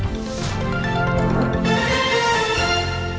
ขอบคุณมากครับ